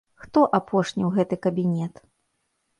Хто апошні ў гэты кабінет?